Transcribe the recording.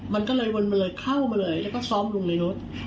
มันก็เลยวนมาเลยเข้ามาเลยแล้วก็ซ้อมลุงในรถ